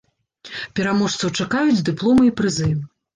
Пераможцаў чакаюць дыпломы і прызы.